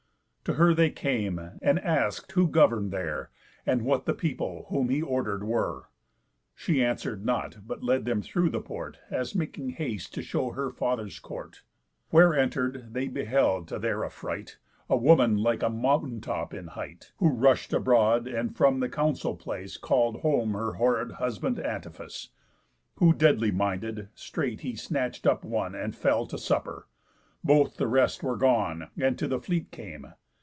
To her they came, and ask'd who govern'd there, And what the people whom he order'd were? She answer'd not, but led them through the port, As making haste to show her father's court. Where enter'd, they beheld, to their affright, A woman like a mountain top in height, Who rush'd abroad, and from the council place Call'd home her horrid husband Antiphas, Who, deadly minded, straight he snatch'd up one, And fell to supper. Both the rest were gone; And to the fleet came.